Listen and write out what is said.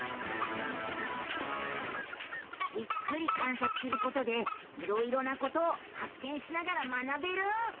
じっくり観察することでいろいろなことを発見しながら学べる。